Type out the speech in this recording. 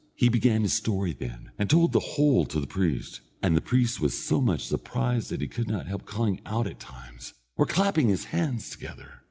He began his story then, and told the whole to the priest, and the priest was so much surprised that he could not help calling out at times, or clapping his hands together.